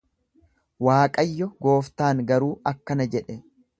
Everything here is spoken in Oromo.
Waaqayyo gooftaan garuu akkana jedhe.